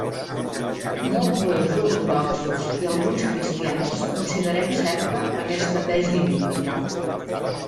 Molts jueus ortodoxos i alguns cristians considerem certa aquesta tesi bíblica.